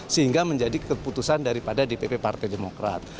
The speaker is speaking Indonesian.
sehingga menjadi keputusan daripada dpp partai demokrat